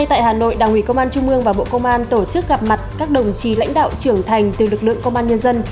tại hà nội đảng ủy công an trung ương và bộ công an tổ chức gặp mặt các đồng chí lãnh đạo trưởng thành từ lực lượng công an nhân dân